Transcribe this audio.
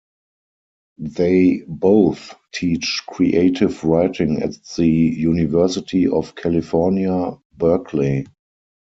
They both teach creative writing at the University of California, Berkeley.